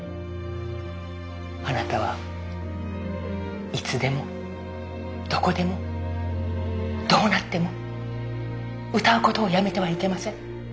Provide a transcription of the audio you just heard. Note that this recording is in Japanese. あなたはいつでもどこでもどうなっても歌うことをやめてはいけません。